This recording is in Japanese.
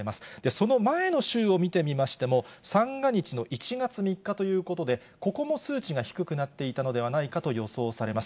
その前の週を見てみましても、三が日の１月３日ということで、ここも数値が低くなっていたのではないかと予想されます。